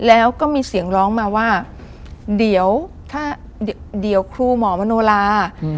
แล้วก็มีเสียงร้องมาว่าเดี๋ยวถ้าเดี๋ยวครูหมอมโนลา